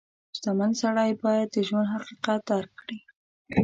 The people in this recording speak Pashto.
• شتمن سړی باید د ژوند حقیقت درک کړي.